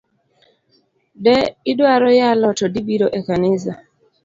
De idwaro yalo to dibiro ekanisa.